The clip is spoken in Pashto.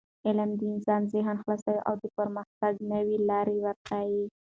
علم د انسان ذهن خلاصوي او د پرمختګ نوې لارې ورښيي.